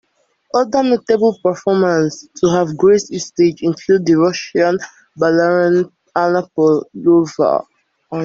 Other notable performers to have graced its stage include the Russian ballerina Anna Pavlova.